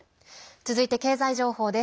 続いて経済情報です。